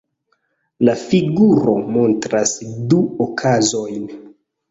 La figuro montras du okazojn.